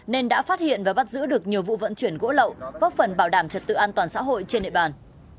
nên đã phát hiện và bắt giữ được nhiều vụ vận chuyển gỗ lậu góp phần bảo đảm trật tự an toàn xã hội trên địa bàn